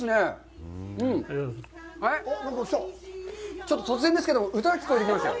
ちょっと突然ですけど、歌が聞こえてきましたよ。